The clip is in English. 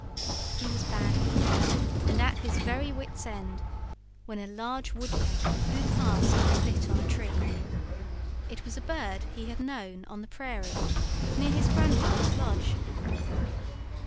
He was badly bruised, and at his very wits' end, when a large Woodpecker flew past and lit on a tree. It was a bird he had known on the prairie, near his grandmother's lodge.